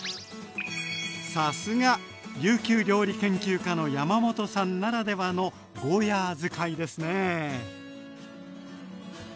さすが琉球料理研究家の山本さんならではのゴーヤー使いですね。